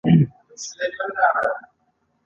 غل فکر کوي چې ټول خلک غله دي.